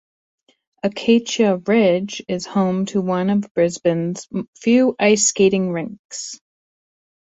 Acacia Ridge is home to one of Brisbane's few ice skating rinks.